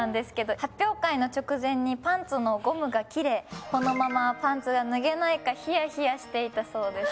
発表会の直前にパンツのゴムが切れこのままパンツが脱げないか冷や冷やしていたそうです。